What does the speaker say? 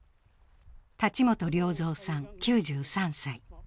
立元良三さん９３歳。